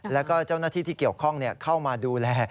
แล้วก็เจ้าหน้าที่ที่เกี่ยวข้องเข้ามาดูแล